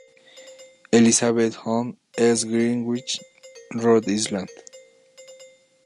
Elizabeth Home, East Greenwich, Rhode Island.